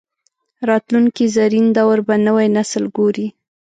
راتلونکي زرین دور به نوی نسل ګوري